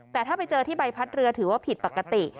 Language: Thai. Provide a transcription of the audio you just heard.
แต่ถ้าไปเจอที่ใบพัดเรือถือว่าผิดปกติ